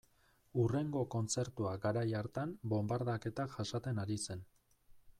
Hurrengo kontzertua garai hartan bonbardaketak jasaten ari zen.